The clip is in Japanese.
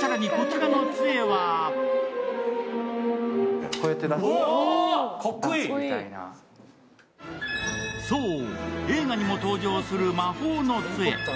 更にこちらのつえはそう、映画にも登場する魔法のつえ。